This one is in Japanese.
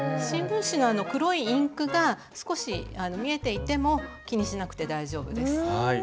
新聞紙のあの黒いインクが少し見えていても気にしなくて大丈夫です。